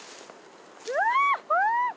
うわ！